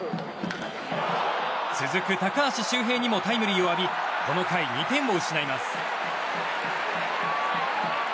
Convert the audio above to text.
続く高橋周平にもタイムリーを浴びこの回、２点を失います。